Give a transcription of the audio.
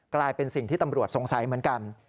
กลายเป็นสิ่งที่ตำรวจสงสัยเหมือนกัน